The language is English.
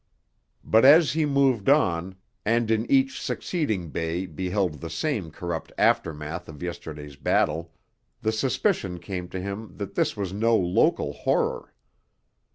But as he moved on, and in each succeeding bay beheld the same corrupt aftermath of yesterday's battle, the suspicion came to him that this was no local horror.